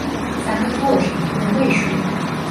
საქართველოში გვხვდება იშვიათად.